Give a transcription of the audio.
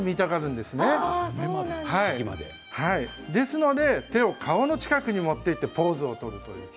ですので手を顔の近くに持っていってポーズを取る。